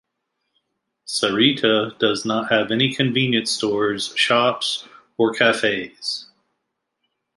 Sarita does not have any convenience stores, shops, or cafes.